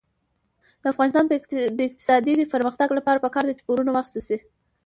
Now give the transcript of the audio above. د افغانستان د اقتصادي پرمختګ لپاره پکار ده چې پورونه واخیستل شي.